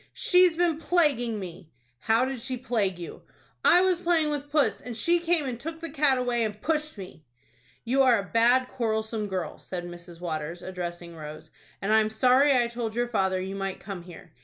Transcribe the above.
"She's been plaguing me." "How did she plague you?" "I was playing with puss, and she came and took the cat away, and pushed me." "You are a bad, quarrelsome girl," said Mrs. Waters, addressing Rose, "and I'm sorry I told your father you might come here.